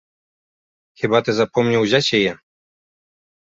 Хіба ты запомніў узяць яе?